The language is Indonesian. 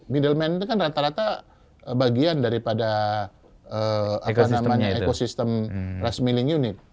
middleman itu kan rata rata bagian daripada apa namanya ekosistem rice milling unit